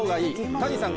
谷さん